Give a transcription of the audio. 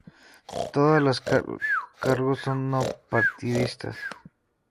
Todas los cargos son no partidistas.